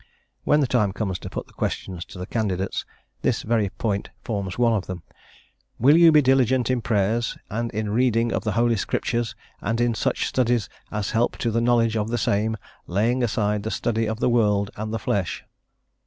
When the time comes to put the questions to the candidates, this very point forms one of them: "Will you be diligent in prayers, and in reading of the Holy Scriptures, and in such studies as help to the knowledge of the same, laying aside the study of the world and the flesh?"